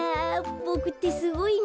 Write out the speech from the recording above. ボクってすごいな。